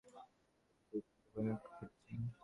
যে কারণে সূচকের খানিকটা পতন ঘটেছে।